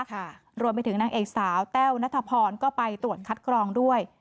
รวมไปถึงนางเอกสาวแต้วนัทพรก็ไปตรวจคัดกรองด้วย